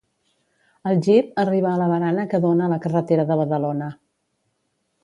El jeep arriba a la barana que dóna a la carretera de Badalona.